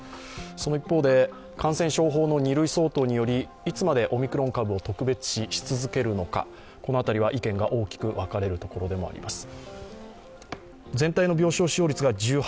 その一方で、感染症法の２類相当によりいつまでオミクロン株を特別視し続けるのか、この辺りは意見が大きく分かれるところでもあります。